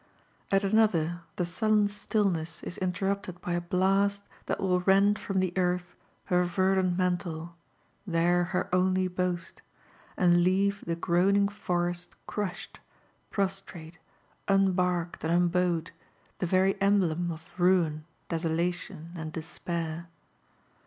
At another, the sullen stillness is interrupted by a blast that will rend from the earlbh^ /erdant PMii^ller ibere her only boast, and leave the groaning forest crushed, prostrate, unbarked and un boughed, the very emblem of ruin, desolation, and despair.